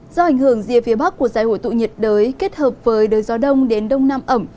do ảnh hưởng rìa phía bắc của giải hội tụ nhiệt đới kết hợp với đới gió đông đến đông nam ẩm